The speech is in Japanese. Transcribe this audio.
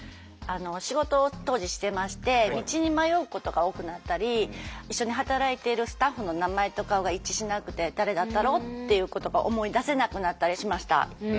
仕事を当時してまして道に迷うことが多くなったり一緒に働いているスタッフの名前と顔が一致しなくて誰だったろうっていうことが思い出せなくなったりしました。